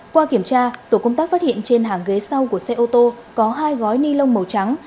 qua kiểm tra tổ công tác phát hiện trên hàng ghế sau của xe ô tô có hai gói ni lông màu trắng